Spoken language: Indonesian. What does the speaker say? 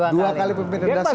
dua kali pemimpin redaksi